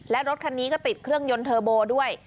และรถคันนี้ก็ติดเครื่องยนต์เทอร์โบด้วย